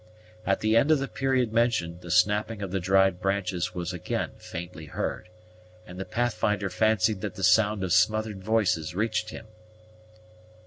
At the end of the period mentioned, the snapping of dried branches was again faintly heard, and the Pathfinder fancied that the sound of smothered voices reached him.